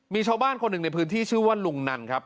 มีชาวบ้านคนหนึ่งในพื้นที่ชื่อว่าลุงนันครับ